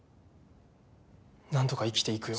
なんとか生きていくよ。